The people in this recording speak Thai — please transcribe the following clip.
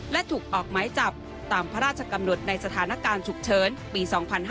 และถูกออกไม้จับตามพระราชกำหนดในสถานการณ์ฉุกเฉินปี๒๕๕๙